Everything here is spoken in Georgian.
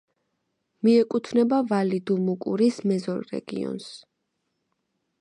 მიეკუთვნება ვალი-დუ-მუკურის მეზორეგიონს.